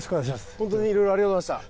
本当にいろいろありがとうございました。